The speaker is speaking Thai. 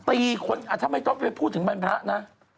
ตีคนถ้าไม่ต้องไปพูดถึงบรรพนะ